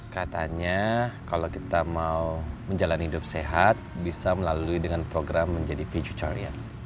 katanya kalau kita mau menjalani hidup sehat bisa melalui dengan program menjadi vegetarian